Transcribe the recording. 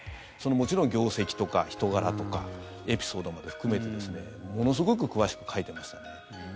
もちろん業績とか人柄とかエピソードまで含めてものすごく詳しく書いてましたね。